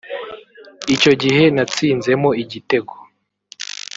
Icyo gihe natsinzemo igitego